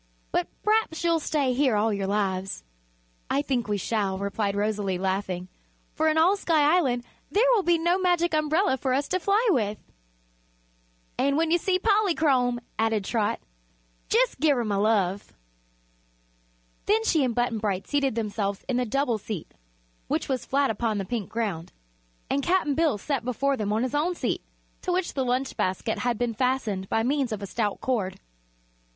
But p'raps you'll stay here all your lives." "I think we shall," replied Rosalie, laughing, "for in all Sky Island there will be no Magic Umbrella for us to fly with." "And when you see Polychrome," added Trot, "jus' give her my love." Then she and Button Bright seated themselves in the double seat, which was flat upon the pink ground, and Cap'n Bill sat before them on his own seat, to which the lunch basket had been fastened by means of a stout cord.